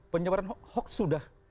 penyebaran hoax sudah